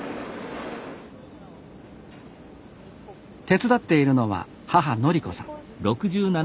手伝っているのは母のりこさん。